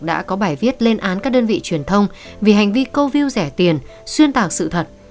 đã có bài viết lên án các đơn vị truyền thông vì hành vi câu view rẻ tiền xuyên tạc sự thật